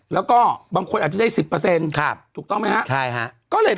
แล้วก็บางคนอาจจะได้๑๐เปอร์เซ็นต์ครับถูกต้องไหมครับใช่ครับ